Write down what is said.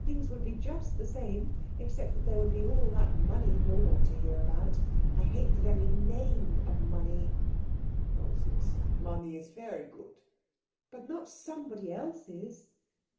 "Things would be just the same, except that there would be all that money more to hear about. I hate the very name of money." "Nonsense. Money is very good." "But not somebody else's."